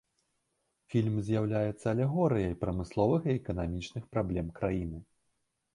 Фільм з'яўляецца алегорыяй прамысловых і эканамічных праблем краіны.